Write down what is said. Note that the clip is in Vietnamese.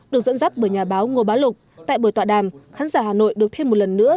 được dẫn dắt bởi nhà báo ngô bá lục tại buổi tọa đàm khán giả hà nội được thêm một lần nữa